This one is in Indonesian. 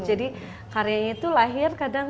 jadi karyanya itu lahir kadang